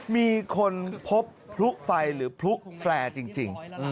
มีคนพบพลุไฟหรือพลุแฟร์จริง